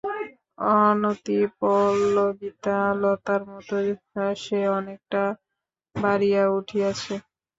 অনতি-পল্লবিতা লতার মতো সে অনেকটা বাড়িয়া উঠিয়াছে।